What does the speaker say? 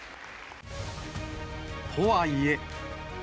とはいえ。